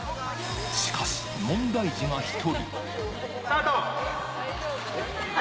しかし、問題児が一人。